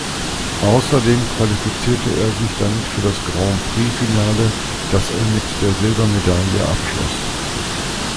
Außerdem qualifizierte er sich damit für das Grand-Prix-Finale, das er mit der Silbermedaille abschloss.